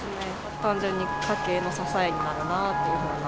単純に家計の支えになるというふうな。